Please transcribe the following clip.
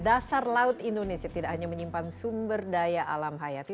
dasar laut indonesia tidak hanya menyimpan sumber daya alam hayati